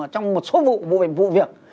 trong một số vụ vụ việc